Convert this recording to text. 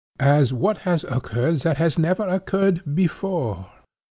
as 'what has occurred that has never occurred before?